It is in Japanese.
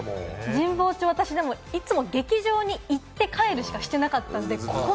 神保町には、いつも劇場に行って帰るしかなかったので。